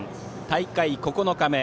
大会９日目。